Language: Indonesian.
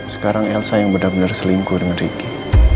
sekarang elsa yang benar benar selingkuh dengan ricky